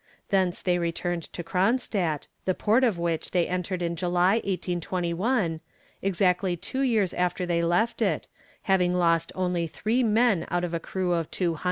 Thence they returned to Cronstadt, the port of which they entered in July 1821, exactly two years after they left it, having lost only three men out of a crew of 200.